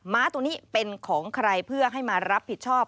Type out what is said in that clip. ้าตัวนี้เป็นของใครเพื่อให้มารับผิดชอบ